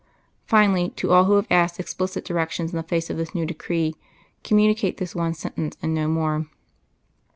"Finally, to all who have asked explicit directions in the face of this new decree, communicate this one sentence, and no more.